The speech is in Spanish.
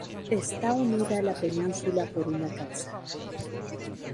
Está unida a la península por una calzada.